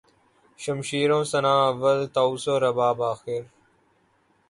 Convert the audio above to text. شمشیر و سناں اول طاؤس و رباب آخر